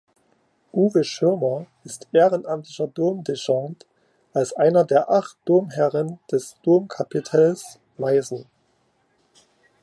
Uwe Schirmer ist ehrenamtlich Domdechant als einer der acht Domherren des Domkapitels Meißen.